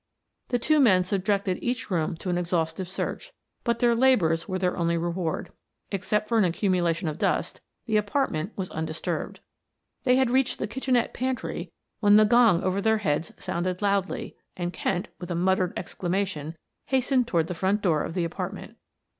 The two men subjected each room to an exhaustive search, but their labors were their only reward; except for an accumulation of dust, the apartment was undisturbed. They had reached the kitchenette pantry when the gong over their heads sounded loudly, and Kent, with a muttered exclamation hastened toward the front door of the apartment.